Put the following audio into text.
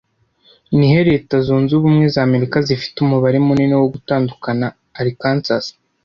Nihe leta zunzubumwe zamerika zifite umubare munini wo gutandukana Arkansas